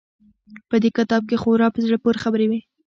په دې کتاب کښې خورا په زړه پورې خبرې وې.